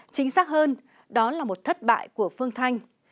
chính xác hơn đó là một thất bại của phương thanh